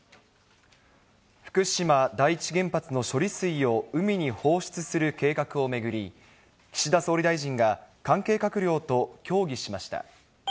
福島第一原発の処理水を海に放出する計画を巡り、岸田総理大臣が関係閣僚と協議しました。